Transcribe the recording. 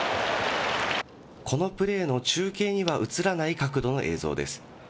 このプレーの中継には映らない角度の映像です。